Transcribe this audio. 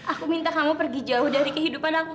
aku minta kamu pergi jauh dari kehidupan aku